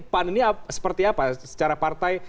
pan ini seperti apa secara partai